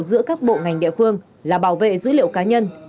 giữa các bộ ngành địa phương là bảo vệ dữ liệu cá nhân